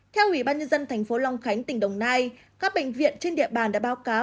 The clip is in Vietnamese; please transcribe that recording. theo ủy ban nhân dân tp long khánh tỉnh đồng nai các bệnh viện trên địa bàn đã báo cáo